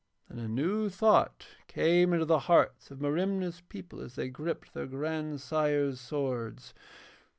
And a new thought came into the hearts of Merimna's people as they gripped their grandsires' swords.